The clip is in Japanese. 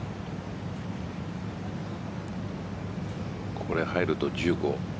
これが入ると１５。